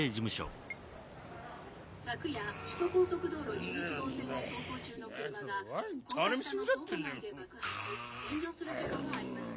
昨夜首都高速道路１１号線を走行中の車が高架下の倉庫街で爆発炎上する事故がありました。